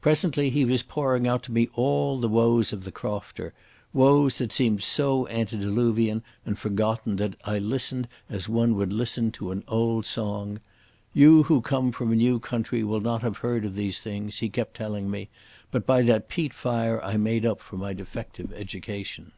Presently he was pouring out to me all the woes of the crofter—woes that seemed so antediluvian and forgotten that I listened as one would listen to an old song. "You who come from a new country will not haf heard of these things," he kept telling me, but by that peat fire I made up for my defective education.